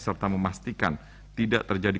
serta memastikan tidak terjadi